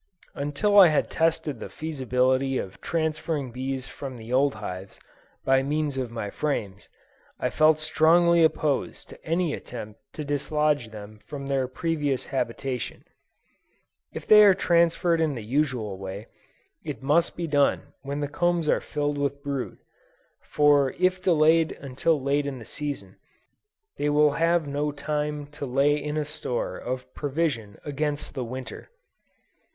Until I had tested the feasibility of transferring bees from the old hives, by means of my frames, I felt strongly opposed to any attempt to dislodge them from their previous habitation. If they are transferred in the usual way, it must be done when the combs are filled with brood; for if delayed until late in the season, they will have no time to lay in a store of provision against the Winter.